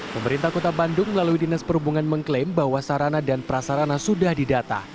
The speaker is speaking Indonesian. pemerintah kota bandung melalui dinas perhubungan mengklaim bahwa sarana dan prasarana sudah didata